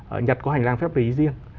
ở nhật có hành lang phép lý riêng